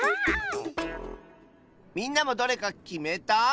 みんなもどれかきめた？